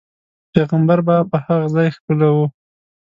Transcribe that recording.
پیغمبر به په هغه ځاې ښکلو.